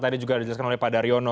tadi juga dijelaskan oleh pak daryono